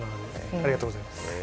ありがとうございます。